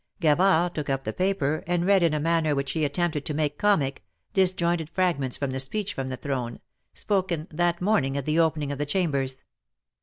Gavard took up the paper and read in a manner which he attempted to make comic, disjointed fragments from the speech from the Throne, spoken that morning at the opening of the Chambers.